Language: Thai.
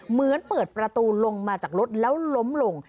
เหมือนเปิดประตูลงมาจากรถแล้วล้มลง